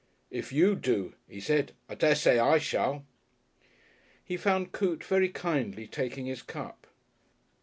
"If you do," he said, "I dessay I shall." He found Coote very kindly taking his cup.